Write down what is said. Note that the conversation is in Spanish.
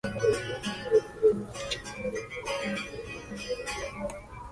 Estudió abogacía y escribanía en la Universidad de Buenos Aires.